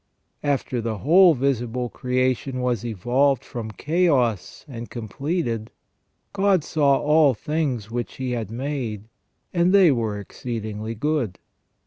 After the whole visible creation was evolved from chaos and completed, ^' God saw all things which He had made, and they were exceed ingly good